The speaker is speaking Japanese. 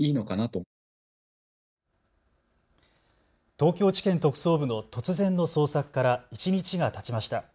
東京地検特捜部の突然の捜索から一日がたちました。